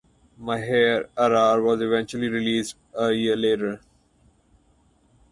Maher Arar was eventually released a year later.